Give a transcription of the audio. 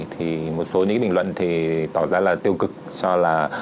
thì một số những bình luận thì tỏ ra là tiêu cực cho là